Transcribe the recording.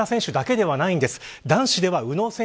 そして三原選手だけではないんです。